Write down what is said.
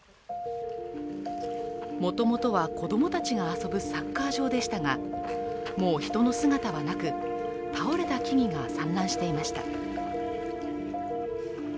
もともとは子供たちが遊ぶサッカー場でしたが、もう人の姿はなく、倒れた木々が散乱していました。